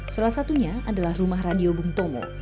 salah satunya adalah rumah radio bung tomo